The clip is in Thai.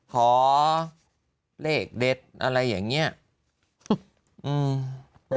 ขอเลขเด็ดอะไรอย่างเงี้ยอืม